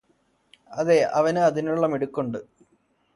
അതെ അവനു അതിനുള്ള മിടുക്കുണ്ട്